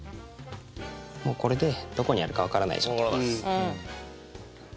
もうこれでどこにあるか分からない状態です